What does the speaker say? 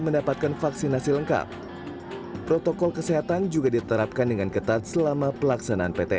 mendapatkan vaksinasi lengkap protokol kesehatan juga diterapkan dengan ketat selama pelaksanaan pt